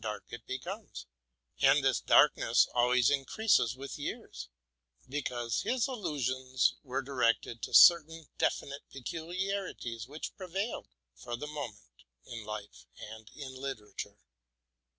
107 dark it becomes; and this darkness always increases with years, because his allusions were directed to certain definite peculiarities which prevailed for the moment in life and in literature.